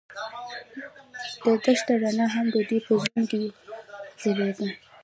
د دښته رڼا هم د دوی په زړونو کې ځلېده.